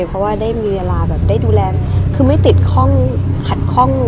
เพราะว่าได้มีเวลาแบบได้ดูแลคือไม่ติดคล่องขัดข้อง